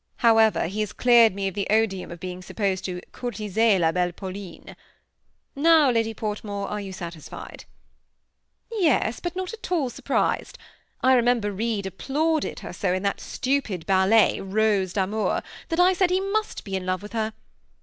However, he has cleared me of the odium of being supposed to ^ courtiser la belle PauHne.' Now, Lady Portmore, are jou satisfied ?"Yes, but not at all surprised. I remember Beid applauded her so in that stupid ballet, ' Rose d'amour/ that I said he must be in love with her.